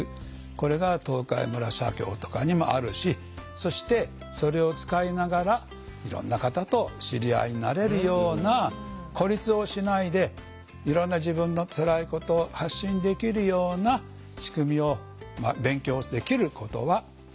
これが東海村社協とかにもあるしそしてそれを使いながらいろんな方と知り合いになれるような孤立をしないでいろんな自分のつらいこと発信できるような仕組みを勉強できることはあります。